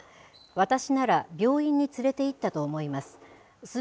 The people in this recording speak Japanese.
私なら病院に連れていったと思います。